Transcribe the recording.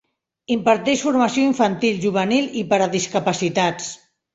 Imparteix formació infantil, juvenil i per a discapacitats.